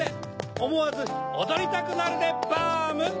おもわずおどりたくなるでバーム！